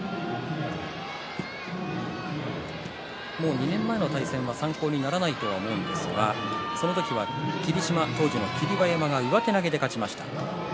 ２年前の対戦は参考にならないと思うんですが、その時は霧島、当時の霧馬山が上手投げで勝ちました。